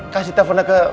kasih teleponnya ke